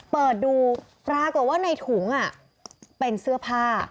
เปิดดูปรากฏว่าในถุงเป็นเสื้อผ้า